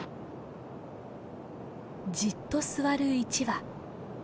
じっと座る１羽。